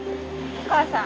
お母さん。